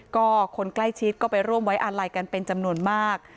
ก็คนใกล้ชิดก็ไปร่วมไว้อาลัยกันเป็นจำนวนมาก